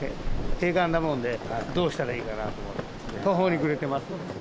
閉館なもんで、どうしたらいいかなと、途方に暮れてます。